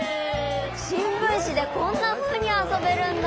しんぶんしでこんなふうにあそべるんだ！